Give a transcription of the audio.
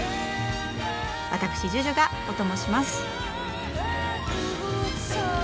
わたくしＪＵＪＵがオトモします。